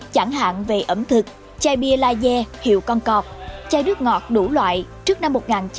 chẳng hạn về ẩm thực chai bia laie hiệu con cọp chai nước ngọt đủ loại trước năm một nghìn chín trăm bảy mươi năm